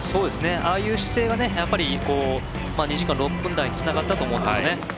ああいう姿勢が２時間６分台につながったと思います。